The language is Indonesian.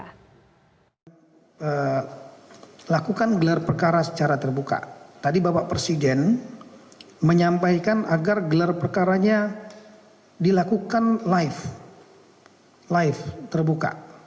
kita lakukan gelar perkara secara terbuka tadi bapak presiden menyampaikan agar gelar perkaranya dilakukan live live terbuka